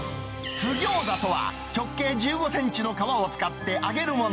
津ぎょうざとは、直径１５センチの皮を使って揚げるもの。